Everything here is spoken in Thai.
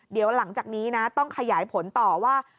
เดี๋ยวหลังจากนี้นะต้องขยายผลต่อว่า